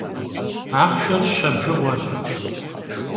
Axhşşer şe bjjığueş.